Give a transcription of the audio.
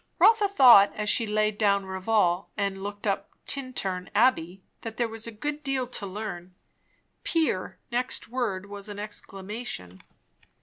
Rotha thought as she laid down Rivaulx and took up Tintern abbey, that there was a good deal to learn. Pier next word was an exclamation.